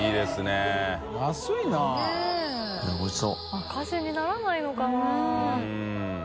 赤字にならないのかな？